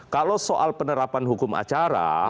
kalau soal penerapan hukum acara